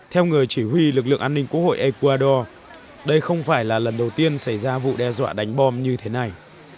theo người chỉ huy lực lượng an ninh quốc hội ecuador đây không phải là lần đầu tiên xảy ra vụ đe dọa đánh bom như thế này